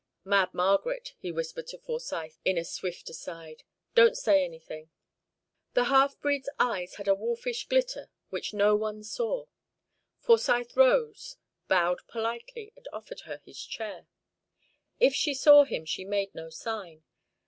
"Mad Margaret," he whispered to Forsyth, in a swift aside. "Don't say anything." The half breed's eyes had a wolfish glitter which no one saw. Forsyth rose, bowed politely, and offered her his chair. If she saw him, she made no sign.